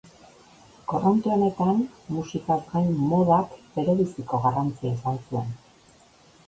Korronte honetan, musikaz gain modak berebiziko garrantzia izan zuen.